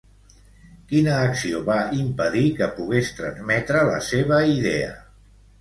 Quina acció va impedir que pogués transmetre la seva idea?